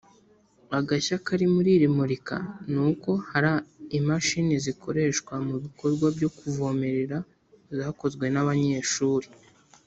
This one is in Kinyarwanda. Agashya kari muri iri murika ni uko hari imashini zikoreshwa mu bikorwa byo kuvomerera zakozwe n’abanyeshuri